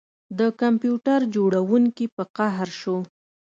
د کمپیوټر جوړونکي په قهر شو